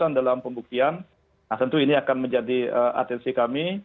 kejutan dalam pembuktian nah tentu ini akan menjadi atensi kami